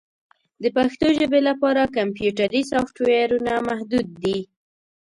د پښتو ژبې لپاره کمپیوټري سافټویرونه محدود دي.